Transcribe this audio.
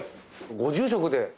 ご住職で？